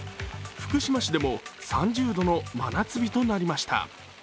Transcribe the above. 福島市でも３０度の真夏日となりました。